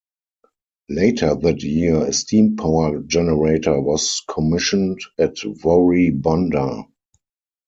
Later that year, a steam power generator was commissioned at Wari Bunder.